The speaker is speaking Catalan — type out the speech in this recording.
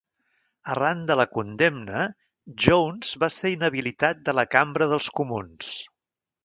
Arran de la condemna, Jones va ser inhabilitat de la Cambra dels Comuns.